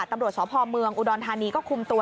ตำรวจสพเมืองอุดรธานีก็คุมตัว